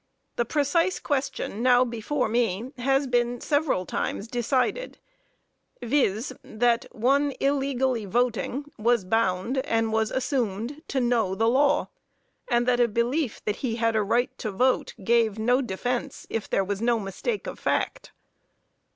The precise question now before me has been several times decided, viz.: that one illegally voting was bound and was assumed to know the law, and that a belief that he had a right to vote gave no defense, if there was no mistake of fact.